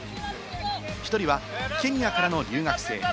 １人はケニアからの留学生。